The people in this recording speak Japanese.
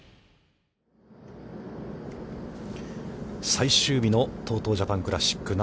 最終日のＴＯＴＯジャパンクラシック。